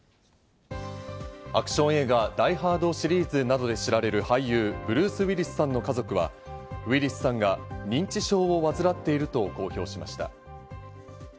アクション映画『ダイ・ハード』シリーズなどで知られる俳優、ブルース・ウィリスさんの家族はウィリスさんが認知症を患っていると公表しました。